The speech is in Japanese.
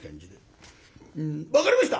「分かりました。